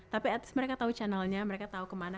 tapi atas mereka tau channelnya mereka tau kemana